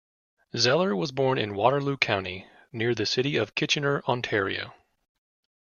Zeller was born in Waterloo County, near the city of Kitchener, Ontario.